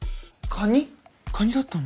カニだったの？